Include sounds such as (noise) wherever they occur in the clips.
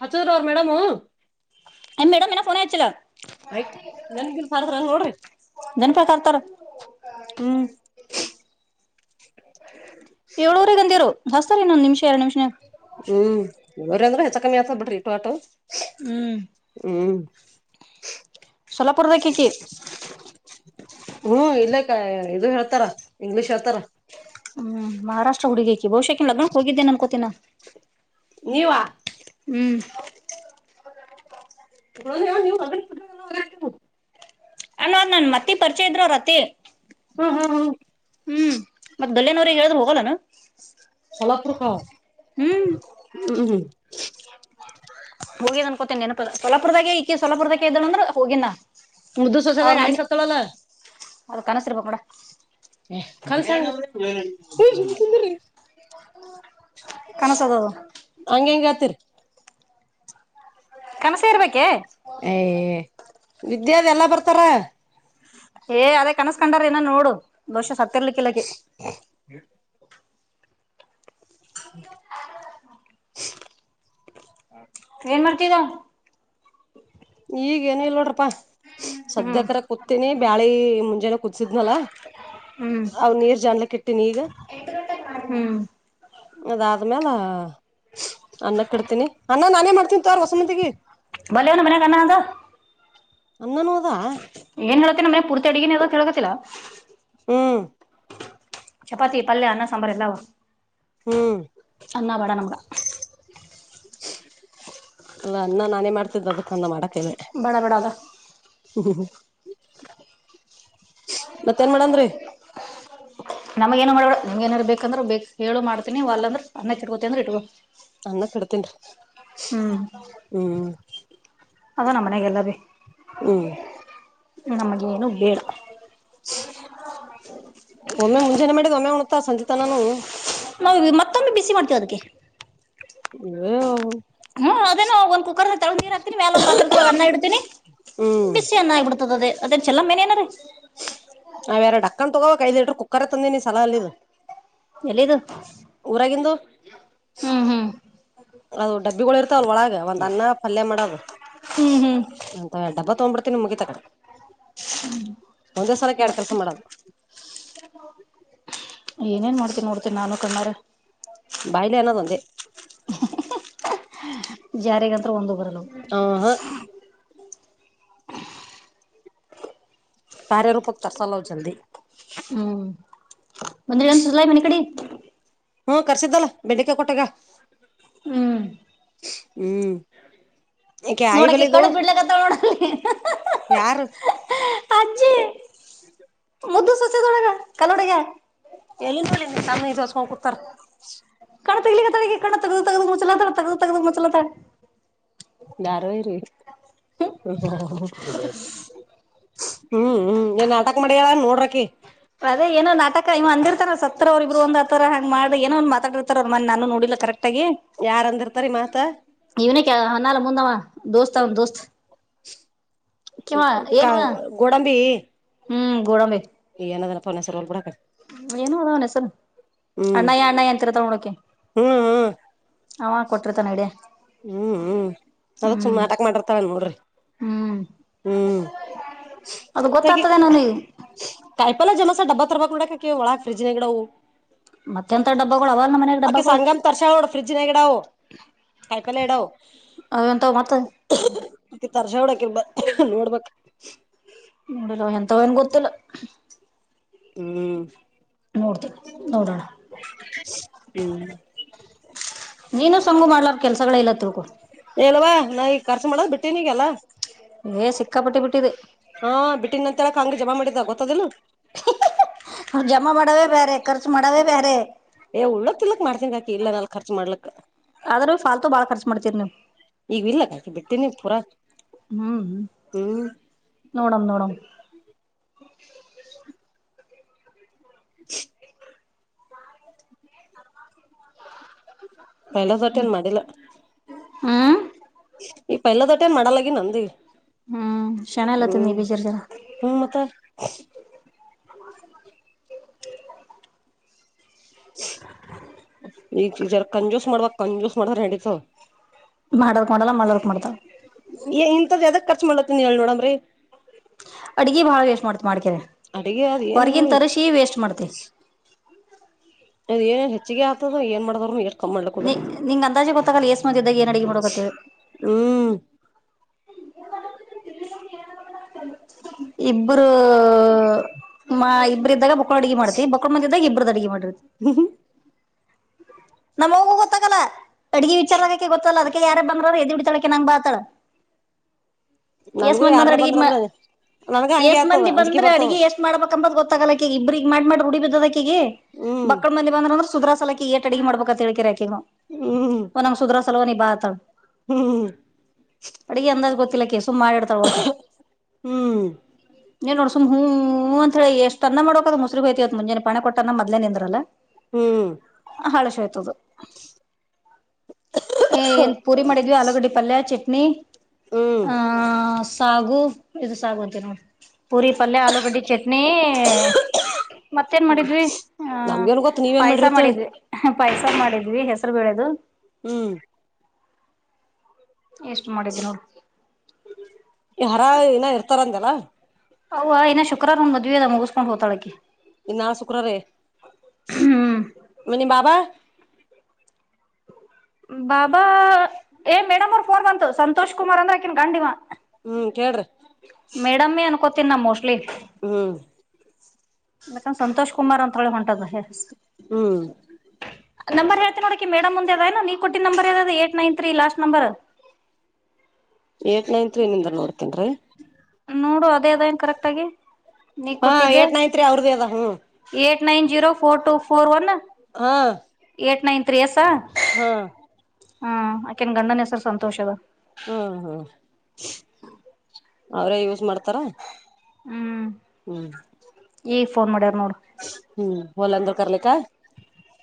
ಹಚ್ಚದ ಅವರು ಮೇಡಮು ಏ ಮೇಡಮ್ ಏನ ಫೋನ್ ಹಚ್ಚಿಲ್ಲ ಆಯ್ತು ನನ್ಗಿಲ್ಫಾ (unintelligible) ರ್್ರಂಗ ನೋಡ್ರಿ ಪತ್ರ ಹ್ಮ್ ಏಳುಊರೆಗಂದರೋ ಹಸತಾರೆ ಇನು ನಿಮಷರ ನಿಮಿಷನ ಹ್ಮ್ ಇ್ರ ಅಂದ್ರರು ಹೆಚ್ಚ ಕಮ್ಮಿ ಆತ ಬಿಡ್ರಿ ಇಟೋ ಆಟೋ ಹ್ಮ್ ಹ್ಮ್ ಸೊಲಾಪುರದಕಕಿ ಹ್ಮ್ ಇಲ್ಲ ಕ ಇದು ಹೇಳ್ತಾರ ಇಂಗ್ಲೀಷ್ ಹೇಳ್ತಾರ ಹ್ಮ್ ಮಹಾರಾಷ್ಟ್ರ ಹುಡುಗಕಿ ಬಹುಶಃಕನ್ ಲಗ್ನಕ್ ಹೋಗಿದ್ದೇನ್ ಅನ್ಕೋತಿನ ನೀವ ಹ್ಮ್ ನೀವು ಅಣವದ್ ನನ್ ಮತ್ತಿ ಪರಿಚಯ ಇದ್ರು ರತಿ ಹ್ಮ್ ಹ್ಮ್ ಹ್ಮ್ ದಲೇನವ್ರರಿಗೆಗ್ ಹೇಳಿದ್ ಹೋಗಲ್ಲಾನ ಸಲಪ ಪ್ರಕಾರ ಹ್ಮ್ ಹ್ಮ್ ಹ್ಮ್ ಹೋಗಿದ ಅನ್ಕೋತೀನಿ ನನಪ ಸಲಪುರದಾಗೆ ಈ ಸಲಪುರದಾಗ ಇದ್ದಳ ಅಂದ್ರ ಹೋಗಿನ ಮುದ್ದು ಸ್ವಸಾಲ ಗಾಯಿಸ ಹತ ಮಲ್ಲ ಅದು ಕನಸರು ಬಂಗಡ ಕಲ್ ಸ ಕನಸದದು ಚಾ ಕನಸಿ ಇರ್ಬೇಕೆ ಏ ವಿದ್ಯಾದ ಎಲ್ಲ ಬರ್ತಾರ ಏ ಅದೇ ಕನ್ಸ್ಕಂಡಾರ ಇನ್ನ ನೋಡು ಬಹುಶ ಸತ್ತಿರ್ಲಿಕ್ಕಲಕ್ಕೆ ಹ ಏನ್ ಮಾಡ್ತಿದ್ದ ಈಗ ಏನ ಇ ನೋಡ್ರಪ್ಪಾ ಹ್ಮ್ ಸದ್ಯಕರ ಕೂತೀನಿ ಬ್ಯಾಳಿ ಮುಂಜೆನ ಕೂದಸಿದ್ನಲ್ಲ ಹ್ಮ್ ಅವ ನೀರ್ ಜನ್ಲಕ್ಕ ಇಟ್ಟಿನಿ ಈಗ ಹ್ಮ್ ಅದ ಆದ್ಮೇಲ ಅನ್ನ ಕಡ್ತೀನಿ ಅನ್ನ ನಾನೇ ಮಾಡ್ತೀನಿ ತಾರ ಹೊಸಮಂದಿಗೆ ಬಲೆ ಒನ ಮನ ಕನ್ನ ಅಂದ ಅನ್ನನೂ ಅದಾ ಏನ್ ಹೇಳತೇನೆ ಮನೆ ಪೂರ್ತಿ ಅಡಗಿನ ಅ ಹೇಳ್ಕತಿಲ್ಲಾ ಹ್ಮ್ ಚಪಾತಿ ಪಲ್ಯ ಅನ್ನ ಸಾಂಬಾರ್ ಎಲ್ಲ ಹ್ಮ್ ಅನ್ನ ಬೇಡ ನಮ್ಗ ಅಲ್ಲ ಅ್ಣ ನಾನೇ ಮಾಡ್ತಿದ್ದ ಅದಕ್ಕಂದ ಮಾಡ ಕೆಲ್ಲ ಬೇಡ ಬೇಡ ಅದ ಹ ಮತ್ತೇನ್ ಮಾಡಂದ್ರಿ ನಮಗ ಏನು ಮಾಡಬೇ ನಮ್ ಏನಾರ ಬೇಕಂದ್ರ್ ಬೇಕ ಹೇಳು ಮಾಡ್ತೀನಿ ಅಂದ್ರ ಅನ್ನಕ್ಕಿರ್ ಅಂದ್ರೆ ಇಟ್ ಅನ್ನ ಕಡತೇನ್ರಿ ಹ್ಮ್ ಅದ ನಮ್ಮ ಮನೆಗೆಲ್ಲ ಭೀ ಹ್ಮ್ ನಮಗೇಏನು ಬೇಡ ಒಮ್ಮೆ ಮುಂಜಾನೆ ಮಾಡಿದ ಒಮ್ಮೆ ಉಣುತ್ತಾ ಸಂಜಿತಾನಾನು ನಾವವು ಮತ್ತೊಮ್ಮೆ ಬಿಸಿ ಮಾಡ್ತೇವ ಅದಕ್ಕೆ ೇ ಹ್ಮ್ ಅದೇ ಒಂದು ಕುಕ್ಕರ್ ತೊಳಿ ಏ ಹಾಕ್ತೀನ ಮೇಾಲ ಒಂದ ಪಾತ್ರೊಳಗ್ ಅನ್ನ ಇಡ್ೀನಿ ಹ್ಮ್ ಬಿಸಿ ಅನ್ನ ಆಗಬಿಡ್ತದ ಅದ ಅದೇ ಚಲಲ್ಲ ಮೇನೇಏನಾರೀ ನಾವ್ಯಾರ ಡಕ್ಕನ್ ತಗೋ ೈದು ಲೀಟರ್ ಕುಕ್ಕರ್ತ್ತ ನಿ ಸಲ ಅಲ್ಲಿದ್ದ ಎಲ್ಲಿದು ಊರಾಗಿಂದು ಹ್ಮ್ ಹ್ಮ್ ಅದು ಡಬ್ಬಿಗಳ ಇರ್ತ ಲ್ ಒಳಗ ಒಂದ್ ಅನ್ನ ಪಲ್ಯ ಮಾಡೋದು ಹ್ಮ್ ಹ್ಮ್ ಅ ಡಬ್ಬ ತಗ್ಬಿಡ್ತ ಮುಗಿ ತಕೊಂಡ ಒಂದೇ ಸಲಕ್ಕೆ ಎರಡ್ ಕೆಲಸ ಮಾಡದು ಹಮ್ ಏನೇನ್ ಮಾಡ್ತೀಿ ನೋಡ್ತಿ ನಾನು ಕಣ್ಣಾರ ಬಯಲ ಎನ ತಂದೆ ಜಾರಿಗಂತ ಒಂದು ಬರಲು ಆ ಹಾ ಕಾರಾರರೂಪಕ ತ ಚಲಾವ ಹ್ಮ್ ಬಂದ್ರಿ ಏನ್ ಸುಸಲಾಯಿ ಮನಿ ಕಡಿ ಹ್ಮ ಕರ್ಸಿದ್ದಲ್ಲ ಬೆಂಡಿಕಾಯ ಕೊಟ್ಟಾಗ ಹ್ಮ್ ಹ್ಮ್ ಯಾಕೆ ಆಯಿ ನೋಡಕ ಬಲಿದು ಕಡೆ ಬಿಡ್ಲಕ್ಕತ್ತವ ನೋಡ ಯಾರು ಅಜ್ಜಿ ಮುದ್ದು ಸಚೆ ತೊಡಗ ಕಲೊಡೆಗೆ ಎಲ್ಲಿಂದ ತಮ್ಮ ದಸ್ಕೊಂಡ್ ಕುೂತಾರ ಕಣ ತಗಲಿಡ ಕಣ ತಗ್ದ ತಗ ಮುಚ್ಲಾತ ತಗ್ದ ತಗದು ಮುಚ್ಲಾತ ಾರುಾವರಿ ಹ್ಮ್ ಹ್ಮ್ ನಾಟಕ ಮಾಡ ನೋಡ್ರಕಿ ಅದೇ ಏನೋ ನಟಕ ಇವ್ ಅಂದಿರ್ತಾರ ಸತ್ತರ ಅವ್ರ ಇಬ್ರು ಒಂದ ಆರ ಮಾಡ ಏನಂದ ಮಾತಾಡ್ತಾರೆ ಅವ ಮನ್ ನು ನೋಡಿಿಲ್ಲ ಕರೆಕ್ಟ್ ಒಟ್ಟಗ ಯಾರ್ ಅಂದಿರ್ತಾರಿ ಮಾತ ಇವ್ನ ಕೆ ಹನ್ನಾಲ ಮುಂದವ ದೋಸ್ತ್ ಅವನ ದೋಸ್ತ್ ಕಿವ ಕ ಏನ್ವ ಗೊಡಂಬಿ ಹ್ಮ್ ಗುಡಬೇಕೇಕ ನದಪ್ಪ ಸರ್ಲ್ ಕೂ ಕಟ್ಟ ಏನು ಅದಣ ಸರ್ ಅಣ್ಣ ಯ ಅಣ್ಣಂತರದ ಹ್ಮ ಹಾ ಹ ಕೊಟ್ಟಿತ ನಡ ಹ್ಮ್ ಹ್ಮ್ ಸದತ್ ಸುಮ್ನೆ ನಾಟಕ್ ಮಾಡಿರ್ತಾವ ನೋಡ್ರಿ ಹ್ಮ್ ಹ್ಮ್ ಅದು ಗೊತ್ತಾಗ್ತದೆ ನನಗೆ ಕಾಯಪಲ್ಲ ಜಮಸ ಡಬ್ಬ ಸರ್ಡಕವುಳಫ್ರಿಜ್ ನಗಡವು ಮತ್ತೆಂತ ಡಬ್ಬಗಳು ಅವಲ್ಲ ನಮ್ಮ ಮನ್ಯಾಗ ಓಕೆ ಡಬ್ಬಗಳು ಸಂಘಮ ತರ್ಸಾವ ್ರಿಡ್ಜ್ ನ ಎಗಡಾವ ಹೈಪಲ್ಲ ಎಡಾವ ಅವಂತವ್ ಮತ್ತ ನೋಡ್ಬ ನೋಡಿಲ್ಲ ಎಂತವನ್ ಗೊತ್ತಿಲ್ಲ ಹ್ಮ ನೋಡ್ತ ನೋಡೋಣ ಹ್ಮ್ ನೀನು ಸಂಗು ಮಾಡ್ಲಾರ ಕೆಲ್ಸಗಳ ಇಲ್ಲತ್ರುಗು ಎಲ್ವಾ ನಾ ಈಗ ರ್ಚು ಮಾಡದ್ ಬಿಟ್ಟನಗೆಲ್ಲ ಏ ಸಿಕ್ಕಾಪಟ್ಟಿ ಬಿಟ್ಟಿದೆ ಹಾ ಬಿಟ್ಟಿದ ನಂತರಕ್ ಹಂಗಗೆ ಜಮಾ ಮಾಡಿದ್ದ ಗೊತ್ತದಿಲ್ಲ ಜಮಾ ಮಾಡಾವೇ ಬೇಾರೆ ಖರ್ಚು ಮಾಡಾವೇ ಬೇಾರೆ ಏ ಉಳ್ಳಕ್ ತಿಲಕ್ ಮಾಡತೀನ್ಿಾಕ ಇ ನಾ ರ್ಚ್ ಮಾಡ್ಲಕ್ ಆದ್ರೂ ಾಲ್ತು ಬಾಳ ಖರ್ಚು ಮಾಡ್ತೀರಿ ನೀವು ಈಗ ಇಲ್ಲ ಕಾಯಕಿ ಬಿಟ್ಟೇನೆಿ ಪೂರಾ ಹ್ಮ್ ಹ್ಮ್ ನೋಡ ನೋಡ (inaudible) ಮಹಿಳಾ ದೊಟ್ಟ ಏನ್ ಮಾಡಿಲ್ಲ ಹ್ಮ್ ಈ ಪಹಲ ದೊಟೇನ್ ಮಾಡಲಾಗಿ ನಂದ ಹ್ಮ್ ಶಣೆ ಎಲ್ಲ ಹ್ಮ್ ತಿಂದಿ ಬೀಜರ್ ಜನ ಹ್ಮ ಮತ್ತ ಈ ಚೀಜ ಯಾರ ಕಂಜೋಸ್ಟ್ ಮಾಡುವ ಕಂಜೋಸ್ಟ್ ಮಾಡಾರ ಹೆಂಡಿತ ಮಾಡರ್ಕ್ ಮಾಡಲ್ಲ ಮರ್ಕ್ ಮಾಡ್ದ ಇಂತದ್ ಎದಕ್ ಖರ್ಚು ಮಾಡತ್ತ ನೀ ಹೇಳಳ್ ನೋಡಮ್ರರಿ ಅಡ್ಗಿ ಬಾಳ ವೇಸ್ಟ್ ಮಾಡ್ತಿ ಮಾಡ್ಕ್ರ ಅಡಗೆ ಅದ್ ಏನ ಹೊರ್ಗನ್ ನೋಡಿ ಹೆಚ್ಚ ತರಸಿ ವೇಸ್ಟ್ ಮಾಡ್ತಿ ಅದ ಏನು ಹೆಚ್ಚಿಗೆ ಆಗ್ತದ ಏ ಮಾಡಿದವರುನು ಎ ಕ ಮಾಡಲ ಕುದ ನಿ ನಿಂಗ್ ಅಂದಾಜೆ ಗೊತ್ತಾಗಲ್ಲ ಎಸ್ ಮಂದಿ ಇದ್ದಾಗ ಏನ್ ಅಡಗೆ ಮಾಡೋಕತ್ತೇಳಿ ಹ್ಮ್ ಇಬ್ಬರು ಮಾ ಇಬ್ಬರು ಇದ್ದಾಗ ಬ ಅಡಗೆ ಮಾಡತಿ ಬಕರ್ ಮಂದದಾಗ ಇಬ್ಬ್ರದ ಅಡಗೆ ಮಾಡಿತಿ ನಮ್ಮ್ ಹೋಗು ಗೊತ್ತಾಗಲ್ಲ ಅಡುಗೆ ವಿಚಾರಕಕ್ಕೆ ಗೊತ್ತಲ್ಲ ಅದಕ್ಕೆ ಯಾರ ಬ ದು ಬಿಡ್ತಾಳಕ್ಕೆ ನಂಗ್ ಬಾತಾಳ ಯಏಸ್ ನನ್ಗೂ ಮಂದಿ ಯಾರ ಬಂದ್ರೆ ಬಂದ್ರಂದ್ರ ನನ್ಗ ಅಡ್ ಹಂಗೆ ಯೇಸ್ ಆತದ ಮಂದಿ ಅಂಜಿಕೆ ಬಂದ್ರೆ ಬರ್ತದ ಅಡ್ಗೆ ಎಷ್ಟ್ ಮಾಡ್ಬೇಕಂಬತ್ ಗೊತ್ತ ತಗಲಾಕ ಇಬ್ರಿಗೆ ಮಾಡಿ ುಡಿ ಬದಕಿಗೆ ಹ್ಮ್ ಬಕ್ಳ ಮಂದ ಬಂದ್ರಂದ್ರೆ ಸು್ರಾ ಸಲಕ ಏಟಡಿಗೆ ಮಾಡಬೇಕು ತಿಳಿಕ ರಗ ಹ್ಮ್ ಒ ನ್ ಸುದರಾ ಸಲವ ನೀ ಬಾತ ಹ್ಮ್ ಅಡ್ಗೆ ಎಂದಾಜ ಗೊತ್ತಿಲ್ಲ ಕೇಸುಮ ಮಾಡಾಡ್ತಳ ಒಟ್ಟ ಹ್ಮ್ ನೀನ್ ನೋಡ್ ಸುಮ್ ಹೂ ಅಂತ ಹೇಳ ಎಷ್ಟ ಅನ್ನ ಮಾಡಕ ಅ ಮೊಸರುಗ್ಯಐತಿವತ್ ಮುಜೆ ಪೆ ಕೊಟ್ಟ ಅ ಮದ್ೇ ನಿಂದ್ರಲ್ಲ ಹ್ಮ್ ತ್ತುದು ಏನ್ ಪೂರಿ ಮಾಡಿದ್ವಿ ಆಲೂಗಡ್ಡೆ ಪಲ್ಯ ಚಟ್ನಿ ಹ್ಮ್ ಆಹ ಸಾಗು ಇದು ಸಾಗು ಅಂತ ನ ಪೂರಿ ಪಲ್ಯ ಆಲೂಗಡ್ಡಿಡೆ ಚಟ್ನಿ ಮತ್ತೇನ್ ಮಾಡಿದ್ವಿ ಆ ನಮ್ಗೇನ್ ಗೊತ್ತ ನೀವೇನ್ ಪಾಯಸ ಮಾಡಿರ್ತೇಳಿ ಮಾಡಿದ್ವಿ ಪೈಸ ಮಾಡಿದ್ವಿ ಹೆಸರು ಬೆಳೆದು ಹ್ಮ್ ಎಷ್ಟು ಮಾಡಿದ್ರು ಈ ಹರ ಇನ ಇರ್ತಾರಂದಲ್ಲ ಹ ಇನ್ನಾ ಶುಕ್ರಾರು ಒ ಮದ್ವಿ ಅದ ಮುಗಿಸಕೊಂಡ ಹತಾಳಕ್ಕೆ ಇನ್ ನಾಳ ಶುಕ್ರಾರ ಹ್ಮ್ ನಿಮ್ ಬಾಬಾ ಬಾಬಾ ಏ ಮೇಡಮ್ ಅವರು ಫೋನ್ ಬಂತು ಸಂತೋಷ್ ಕುಮಾರ್ ಅಂದ್ರಕಿನ್ ಕಂಡಿವ ಹ್ಮ್ ಕೇಳ್ರಿ ತಿನ್ನ ಮೋಸ್ಟ್ಲಿ ಹ್ಮ ಮಕಂದ ಸಂತೋಷ್ ಕುಮಾರ್ ಅಂತ ಹೇಳಿ ಹೊಂಟದ ಹ್ಮ್ ನಂಬರ್ ಹೇಳ್ತೆನ ನೋಡಕಿ ಮೇಡಮ್ಂದ್ದಏ ನೀ ಕೊಟ್ಟಿದ ನಂಬರ್ಾವದ ಏಟ್ ನೈನ್ ೀ last number eight nine three ನಿಂದ ನೋಡ್ತೇನ್ರೀ ನೋಡು ಅದೇ ಅದ ಕರೆಕ್ಟ್ ಆಗಿ ನೀ ಹಾ ಕೊಟ್ಟಿದ್ದೆ... ಏಟ್ ನೈನ್ ತ್ರೀ ಅವ್ರದೇ ಅದ ಹ್ಮ್ nine zero four two four one.. ಹಾ ಏಟ್ ನೈನ್ ತ್ರೀಯಸಾ ಹಾ ಹ್ಮ್ ಆಕೆನ್ ಗಂಡನ ಹೆಸರು ಸಂತೋಷ ಅದ ಹ್ಮ ಹ್ಮ್ ಅವ್ರೇ ಯೂಸ್ ಮಾಡ್ತಾರ ಹ್ಮ್ ಹ್ಮ್ ಈಫೋನೂ ಹ್ಮ್ ಹೊಲಂದ್ರೂ ಕಲಿಕ್ಕ..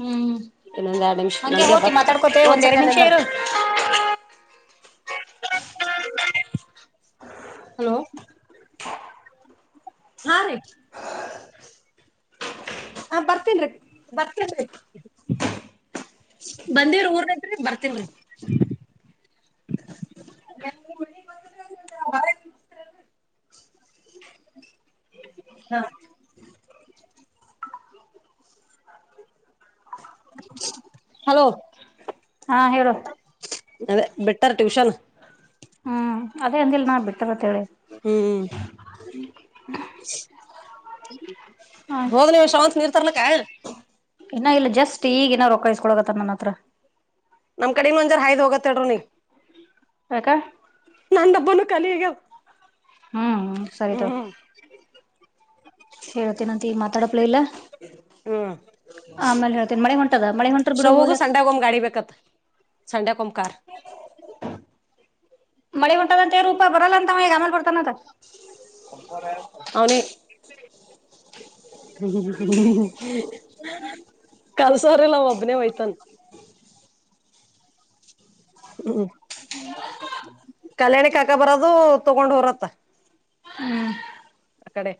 ಹ್ಮ್ ಇನ್ನೊಂದ್ ಎರಡ್ ನಿಮಿಷ ಹಂಗೆ ನನಗೆ ಹೋತಿ ಬತ್ತು ಮಾತಾಡ್ಕೋತೇ ಒಂದ್ ಎರಡ್ ಸೆಕೆಂಡ್ ನಿಮಿಷ ಎಂದ್ರ.. ಇರು ಹಲೋ.. ಹಾ ನ.. ಹಾ ಬರ್ತೇನ್ರಿ ಬರ್ತೇನ್.. ಬಂದಿವ್ರ ಊರ್ನತ್ರಿ ಬರ್ತವ್ರಿ.. ಹಾ.. ಹಲೋ.. ಹಾ ಹೇಳು.. ಅದೇ ಬೆಟ್ಟರ್ ಟ್ಯೂಷನ್. ಹ ಅದೇ ಅಂದಿ ನಾ ಬಿಟ್ಟು. ಹ್ಮ್. ಹ ಹೋಗ್ ನೀವು ಶ್ರಮತ್ ನೀರ್ತರ್ಲಕ್ಕಿ.. ಇನ್ನ ಇಲ್ಲ ಜಸ್ಟ್ ಈಗ ಇನ್ನ ರೊಕ್ಕಾಯಸ್ಕೊಳೋಗತ್ತ ನನ್ನ ಹತ್ರ.. ನಮ್ ಕಡೆನ್ನು ಒಂಜರ ಹಾಯದ್ ಹೋಗತ್ತಡೂ ನೀ.. ಹಕ್ಕ.. ಬ್ಬನು ಕಲಿಗ.. ಹ್ಮ್.. ಹ್ಮ್. ಹೇಳತೇನಂತ ಈಗ ಮಾತಾಡಪ್ಲ ಇಲ್ಲ.. ಹ್ಮ್ (unintelligible) ಆಮೇಲೆ ಹೇಳ್ತೇನಿ ಮಳೆ ಹೊಂಟದ ಮಳೆ ಹೊಂಟ್ರ ಬಿಡು ಹೋಲಕ್. ಸಂಡ್ಯಾ ಮಕಾರ.. ಮಳಿ ಹೊಂಟಾದ ಅಂತೇ ರೂಪಾ ಬರಲ್ಲ ಅಂತ ಅವ ಈಗ ಆಮ್ಯಾಗ್ ಬರ್ತಾನ ಅಂತ.. ಅವನೇ.. ಹ್ಮ ಹ.. ಕಲ್ಸೋರೀಲ್ಲ ಒಬ್ನೇ ಹೋಯಿತಾನ್.. ಹ್ಮ್ ಕಲ್ಯಾಣಿ ಕಾಕಾ ಬರೋದು ತಗೊಂಡ ಹೋಗರಂತ್ತ.. ಅ ಕಡೆ..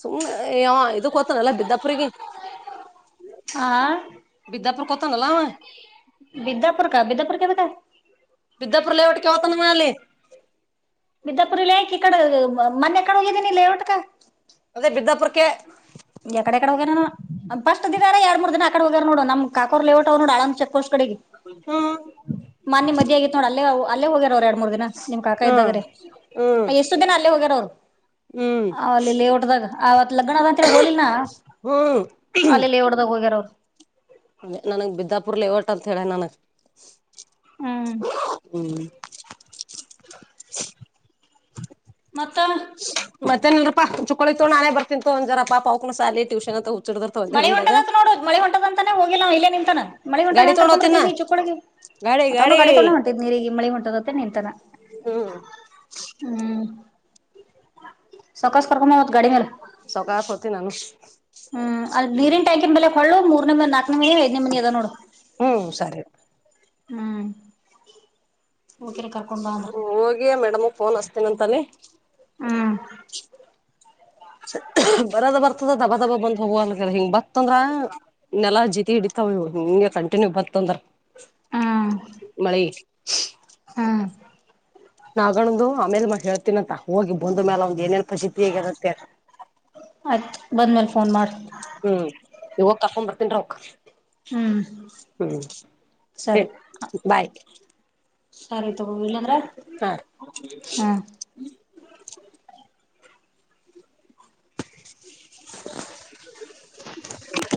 ಸುಮ್ನೆ ಏ ಇದು ಕೊತನಲ್ಲ ಬಿದ್ದಪುರಿಗೆ.. ಆ.. ಬಿದ್ದ್ಯಾಪುರ್ ಕತ ನಲ್ಲಾವ.. ಬಿದ್ಯಾಪುರ ಕ ಬಿದ್ದ್ಯಾಪುರ್ ಕೆ.. ಬಿದ್ದಾಪುರಲ್ಲ ಒಟ್ಟಕ್ಕೆವತಾನ ಮನಾಲಿ. ಬಿಧಾಪುರಿಲ್ಲಿ ಇ ಮನೆ ಕಡೆ ಹೋಗಿದೆನ ಔಟಕ.. ಅದೇ ಬಿದ್ದಾಪುರಕ್ಕೆ.. ಎಕಡೆಕಡೆ ಹೋಗ್ಯಾರ ಫಸ್ಟ್ ದಾರ ಎರ ಮೂರ್ ದಿನ ಆಕಡೆ ಹೋಗ್ಯ ನೋ ನಮ್ಮ ಕಾಕೂರ್ ನೋಡ.. ಕಸ ಕಡೆಗೆ.. ಹ್ಮ್ ಮ ನಿಮದ್ ಆಗಿತ್ತು ನೋ ಅಲ್ಲೇ ಅಲ್ಲೇ ಹೋಗ್ಯಾರ ಅವರು ಎರಡ್ ಮೂರ್ ದಿನ ನಿಮ್ ಕಾಕಾ ಹ್ಮ್ ಇದ್ದಾಗ್ರೆ.. ಹ್ಮ್ ಎಷ್ಟು ದಿನ ಹೆ ಹೋಗರ ಅವರು ಹ್ಮ್ ಆಲ್ಲಿ ಲೇಔಟದಾಗ ಆ ಲಗ್ನಕ್ಕೆ.. ಹೋಗಲಿಲ್ಲನಾ ಹ್ಮ್ ಅಲ್ಲಿಲ್ಲಿ ಡ್ದಾಗ ಹೋಗ್ಯಾರ ಅವರು ನನಂಗ ಬಿದ್ದಾಪುರ್ಲೆ ಓಟ್ ಅಂತ ಹೇಳ ನನಗ್ ಹ್ಮ್ ಹ್ಮ.. ಮತ್ತ.. ಮತ್ತೆನಲ್ರಾ ಚಕ್ಕಳಿ ತೋ ನಾನೇ ಬರ್ತಿಂತ ಒಂದಝರ ಪಾಪಾಕ್ಕಳ ಸಾಲಟೂನ್ ಹ.. ಮಣಿ ಹೊಂಟದಂತ ನೋಡೋುದು ಮಳಿ ಹೊಂಟದಂತಾನೇ ಹೋಗಿಲ್ಲ ನವ ಇ ನಿಂತನ.. ಮಳೆ ಉಂಟ ಗಾಡಿ ಹೆಂ ತಗೊಂಡ್ ಕರ್ಕ್ಂಬರ್ತ ಹೋಗ್ತೀನ್ ನಾ ಈಗ ಈ ಚುಕ್ಕಡಿಗೆ.. ಗಾಡಿ ಮತ್ತ ಅವ್ನು ಗಾಡಿ ಗಡೆ ತೊಡೆ ಹೊಂಟಿದ್ ನೀರಿಗೆ ಮಳಿ ಹೊಂಟದತ್ತ ನಿಂತಾನ.. ಹ್ಮ್ ಸಕಷ್ಟ (unintelligible) ಸಾವ್ವ್ಕಾಸ ಒತ್ನಿ ನಾನು ಹ್ಮ್ ಅದು ಬ ನೀರಿನ್ ಟ್ಯಾಂಕಿನ ಮೇಲೆ ಹೊಳ್ಳು ಮೂ ನ ಮ ನಾಲ್ಕನೇ ಮನ ಐದ್ನೇ ಮನ ಅದ ನೋಡು ಹ್ಮ್ ಸರಿ ಹ್ಮ್ ಹೋಗಿರ ಕರ್ಕೊಂಡ್ ಬಾ ಅಂದ್ರ ಹೋಗಿಯ ಮೇಡಮು ಫೋನ್ ಹಸ್ತೀನಂತಾನ ಹ್ಮ್ ಬರದ ಬರ್ತದ ದಬ ದಬ ಬಂದ್ ಹೋಗುವ ಅಕ ಹಿಂಗ್ ಬತ್ತಂದ್ರ ನೆಲಾ ಜಿತಿ ಹಿಡಿತ. ಯ್ಯ ಹಂಗೆ ಕಂಟಿನ್ಯೂ ಬಥಾಂಡ್ರಾ ಹ್ಮ್ ಹ್ಮ್ ನಗಣು ಆಮೇಲೆ ಮ ಹೇಳ್ತೀನಂತ ಹೋಗಿ ಬಂದ ಮ್ಯಾಲ ಒಂದು ಏನೇನ್ ಪಸತಿ ಹೇಗ ಅನಂತೆ ಆಯ್ತು ಬಂದ್ಮೇಲ್ ಫೋನ್ ಮಾಡ್. ಹ್ಮ್ ಇವ ಕರ್ಕೊಂಡ್ ಬರ್ತನ್ರ ಅವಕ್ ಹ್ಮ್ ಹ್ಮ ಸರಿ ಹ್ಮ ಬಾಯ ಸರಿ ತಗೋ ಇಲ್ಲಾಂದ್ರೆ ಹಾ ಹ (inaudible) (inaudible)